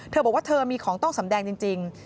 เธอบอกว่าเธอมีของต้องสำแดงจริง